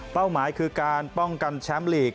หมายคือการป้องกันแชมป์ลีก